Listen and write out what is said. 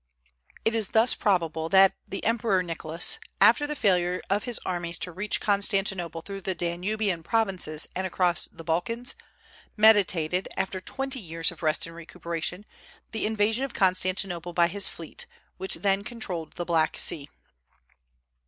It is thus probable that the Emperor Nicholas, after the failure of his armies to reach Constantinople through the Danubian provinces and across the Balkans, meditated, after twenty years of rest and recuperation, the invasion of Constantinople by his fleet, which then controlled the Black Sea.